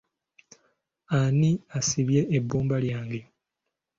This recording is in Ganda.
Ani asimye ebbumba lyange?